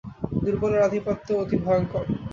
দুর্বলের আধিপত্য অতি ভয়ংকর।